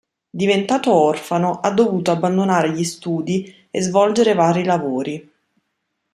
Diventato orfano, ha dovuto abbandonare gli studi e svolgere vari lavori.